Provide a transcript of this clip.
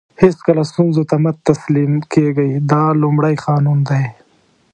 هیڅکله ستونزو ته مه تسلیم کېږئ دا لومړی قانون دی.